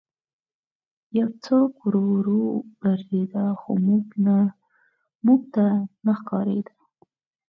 یو څوک ورو ورو ګرځېده خو موږ ته نه ښکارېده